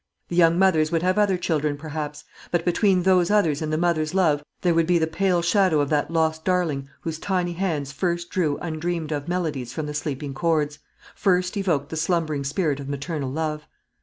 The young mothers would have other children, perhaps; but between those others and the mother's love there would be the pale shadow of that lost darling whose tiny hands first drew undreamed of melodies from the sleeping chords, first evoked the slumbering spirit of maternal love.